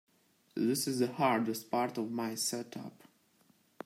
This is the hardest part of my setup.